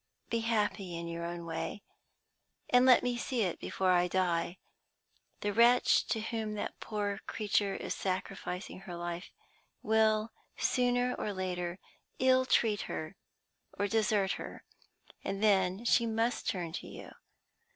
Be happy in your own way, and let me see it before I die. The wretch to whom that poor creature is sacrificing her life will, sooner or later, ill treat her or desert her and then she must turn to you.